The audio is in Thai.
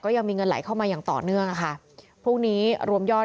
ยังมีเงินไหลเข้ามาอย่างต่อเนื่องอ่ะค่ะพรุ่งนี้รวมยอด